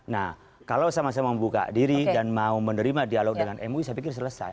nah kalau sama sama membuka diri dan mau menerima dialog dengan mui saya pikir selesai